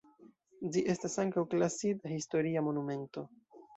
Ĝi estas ankaŭ klasita historia monumento.